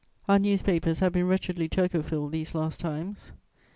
Our newspapers have been wretchedly Turcophile these last times.